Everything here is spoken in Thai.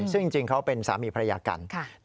ซึ่งจริงเขาเป็นสามีภรรยากัน